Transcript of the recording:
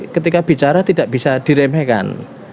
ketika bicara tidak bisa diremehkan